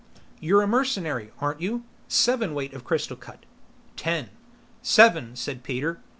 "You re a mercenary, aren't you? Sevenweight of crystal cut." "Ten." "Seven," said Peter.